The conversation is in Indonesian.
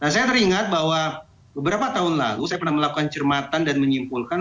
saya teringat bahwa beberapa tahun lalu saya pernah melakukan cermatan dan menyimpulkan